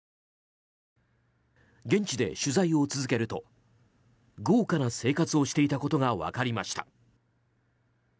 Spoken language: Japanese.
現地で取材を続けると豪華な生活をしていたことが分かりました。